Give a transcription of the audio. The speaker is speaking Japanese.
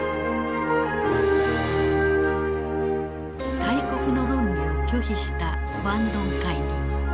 大国の論理を拒否したバンドン会議。